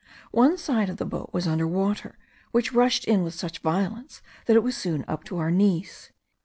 One side of the boat was under water, which rushed in with such violence that it was soon up to our knees.